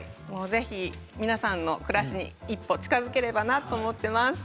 皆さんの暮らしに一歩近づければいいなと思っています。